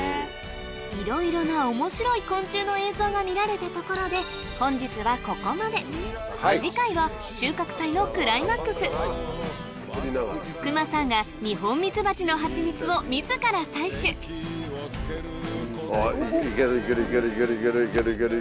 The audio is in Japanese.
いろいろな面白い昆虫の映像が見られたところで次回は収穫祭のクライマックス隈さんがニホンミツバチのハチミツを自ら採取行ける行ける行ける。